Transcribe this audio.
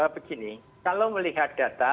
begini kalau melihat data